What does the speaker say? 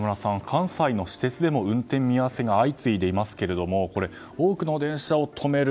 関西の私鉄でも運転見合わせが相次いでいますけれども多くの電車を止める。